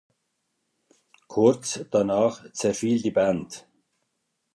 Kurz danach zerfiel die Band.